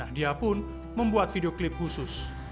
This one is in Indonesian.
nahdia pun membuat video klip khusus